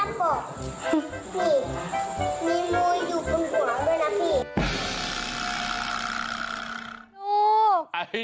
นี่มีมุ้ยอยู่บริการด้วยนะพี่